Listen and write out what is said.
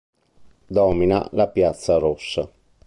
Domina la Piazza Rossa.